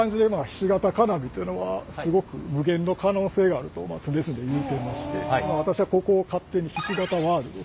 ひし形金網というのはすごく無限の可能性があると常々言うてまして私はここを勝手にひし形ワールド。